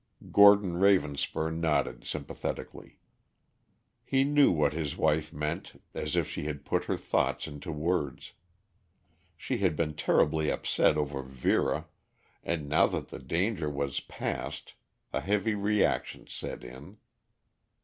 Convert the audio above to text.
Gordon Ravenspur nodded sympathetically. He knew what his wife meant as if she had put her thoughts into words. She had been terribly upset over Vera and now that the danger was past a heavy reaction set in.